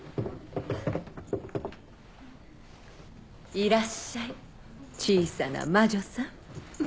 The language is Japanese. いらっしゃい小さな魔女さん。